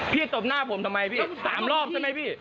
ตบหน้าผมทำไมพี่๓รอบใช่ไหมพี่